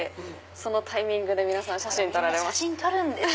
そのタイミングで皆さん撮られます。